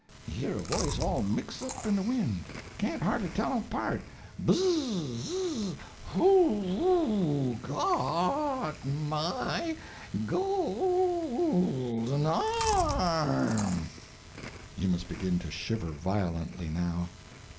he hear a voice all mix' up in de win' can't hardly tell 'em 'part "Bzzz zzz W h o g o t m y g o l d e n arm?" (You must begin to shiver violently now.)